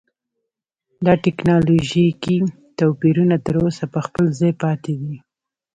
دا ټکنالوژیکي توپیرونه تر اوسه په خپل ځای پاتې دي.